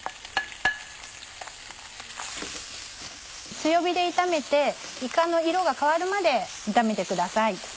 強火で炒めていかの色が変わるまで炒めてください。